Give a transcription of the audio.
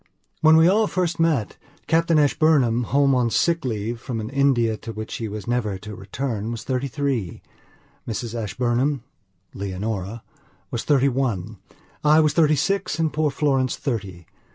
When we all first met, Captain Ashburnham, home on sick leave from an India to which he was never to return, was thirty three; Mrs Ashburnham Leonorawas thirty one. I was thirty six and poor Florence thirty.